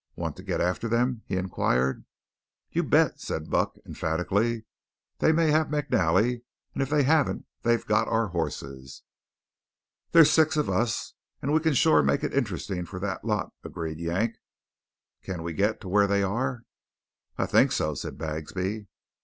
"Want to get after them?" he inquired. "You bet!" said Buck emphatically, "They may have McNally, and if they haven't, they've got our horses." "There's six of us and we can shore make it interesting for that lot," agreed Yank. "Can we get to where they are?" "I think so," said Bagsby.